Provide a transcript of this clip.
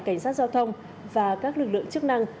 cảnh sát giao thông và các lực lượng chức năng